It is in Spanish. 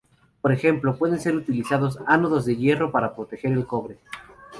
Por ejemplo, pueden ser utilizados ánodos de hierro para proteger el cobre.